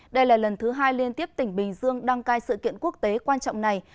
đây là lần thứ hai liên tiếp tỉnh bình dương đăng cai sự kiện quốc tế quan trọng này